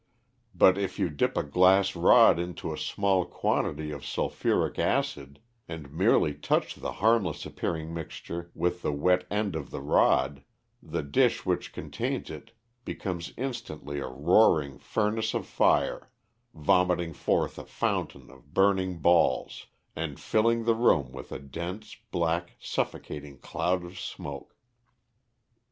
But if you dip a glass rod into a small quantity of sulphuric acid, and merely touch the harmless appearing mixture with the wet end of the rod, the dish which contains it becomes instantly a roaring furnace of fire, vomiting forth a fountain of burning balls, and filling the room with a dense, black, suffocating cloud of smoke.